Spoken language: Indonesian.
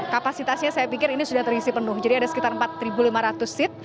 kapasitasnya saya pikir ini sudah terisi penuh jadi ada sekitar empat lima ratus seat